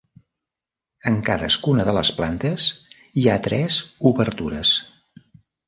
En cadascuna de les plantes hi ha tres obertures.